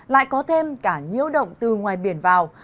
lại có thêm cả nhiễu động từ ngoài biển vào